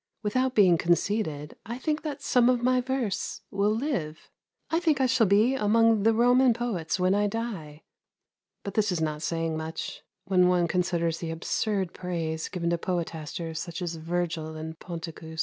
Without being conceited, I think that some of my verse will live. I think I shall be among the Roman poets when I die; but this is not saying much, when one considers the absurd praise given to poetasters such as Virgil and Ponticus.